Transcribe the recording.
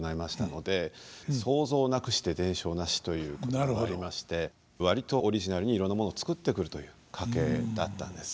「創造なくして伝承なし」ということがありまして割とオリジナルにいろんなものを作ってくるという家系だったんです。